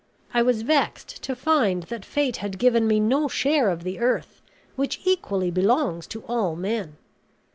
I was vexed to find that fate had given me no share of the earth, which equally belongs to all men.